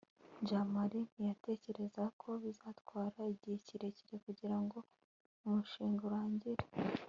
jamali ntiyatekereje ko bizatwara igihe kirekire kugirango umushinga urangire